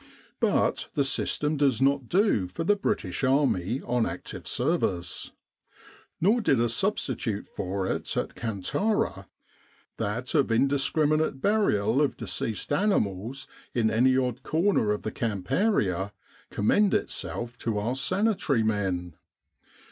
But the system does not do for the British Army on active service. Nor did a substitute for it at Kantara that of indiscriminate burial of deceased animals in any odd corner of the camp area com mend itself to our Sanitary men.